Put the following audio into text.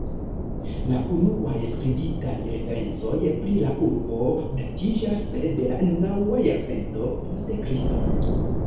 La unuaj skribitaj referencoj pri la urbo datiĝas de la naŭa jarcento post Kristo.